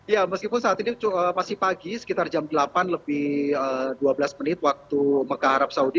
ya meskipun saat ini masih pagi sekitar jam delapan lebih dua belas menit waktu mekah arab saudi